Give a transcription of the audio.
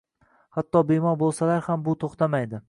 Hatto bemor boʻlsalar ham bu toʻxtamaydi